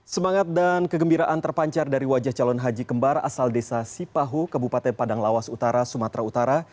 semangat dan kegembiraan terpancar dari wajah calon haji kembar asal desa sipahu kebupaten padang lawas utara sumatera utara